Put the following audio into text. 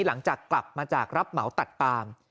หลังจากกลับมาจากรับเหมาตัดปาม